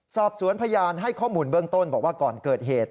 สอบสวนพยานให้ข้อมูลเบื้องต้นบอกว่าก่อนเกิดเหตุ